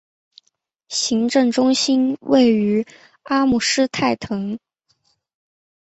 行政中心位于阿姆施泰滕。